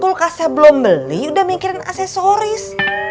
kulkasnya belum beli udah mikirin aksesoris